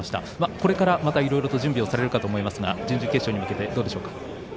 これから、またいろいろと準備をされるかと思いますが準々決勝に向けてどうでしょうか。